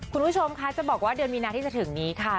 คุณผู้ชมคะจะบอกว่าเดือนมีนาที่จะถึงนี้ค่ะ